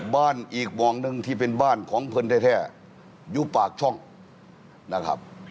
บ้านอีกวังหนึ่งที่เป็นบ้านของเพื่อนแท้อยู่ปากช่องนะครับ